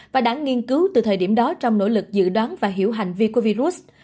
và đã nghiên cứu từ thời điểm đó trong nỗ lực dự đoán và hiểu hành vi của virus